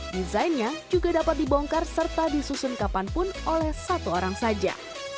desainnya juga dapat dibongkar serta disusun kapanpun oleh satu orang saja